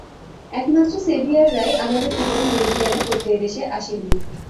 একমাত্র সেভিয়াররাই আমাদের উপর মুরুব্বিয়ানা করতে এদেশে আসেননি।